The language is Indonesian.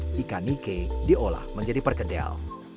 daging ikan nike diolah menjadi perkedel